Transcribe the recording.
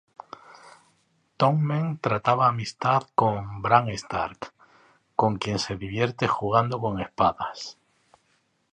Tommen traba amistad con Bran Stark, con quien se divierte jugando con espadas.